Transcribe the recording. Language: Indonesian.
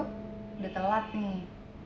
udah telat nih